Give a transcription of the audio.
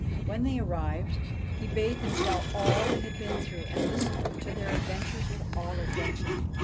When they arrived, he bade them tell all they had been through, and listened to their adventures with all attention.